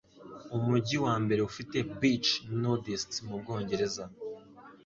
Umujyi wa mbere ufite beach nudist mu Bwongereza